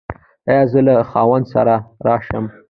ایا زه له خاوند سره راشم؟